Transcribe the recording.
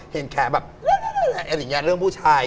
เห็นแค่แบบเรื่องผู้ชาย